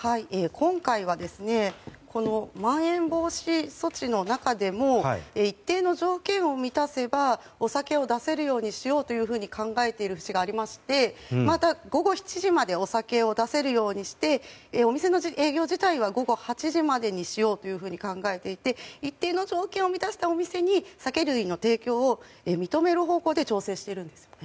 今回はまん延防止措置の中でも一定の条件を満たせばお酒を出せるようにしようと考えている節がありまして午後７時までお酒を出せるようにしてお店の営業自体は午後８時までにしようというふうに考えていて一定の条件を満たしたお店に酒類の提供を認める方向で調整しているんですよね。